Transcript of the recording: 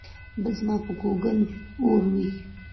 بل ځما په ګوګل اور وي